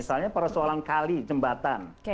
misalnya persoalan kali jembatan